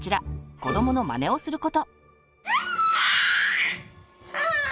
子どものまねをすること。